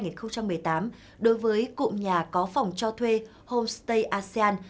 năm hai nghìn một mươi sáu hai nghìn một mươi tám đối với cụm nhà có phòng cho thuê homestay asean